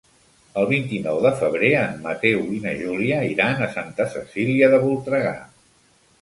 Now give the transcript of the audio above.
El vint-i-nou de febrer en Mateu i na Júlia iran a Santa Cecília de Voltregà.